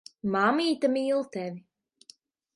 Mammīte mīl tevi.